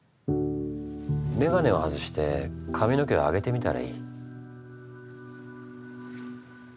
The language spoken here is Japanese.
眼鏡を外して髪の毛を上げてみたらいい。